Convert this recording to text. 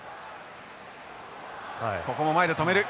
ここも前で止める。